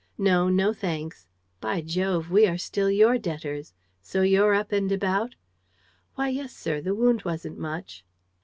No, no thanks. By Jove, we are still your debtors! So you're up and about?" "Why, yes, sir. The wound wasn't much."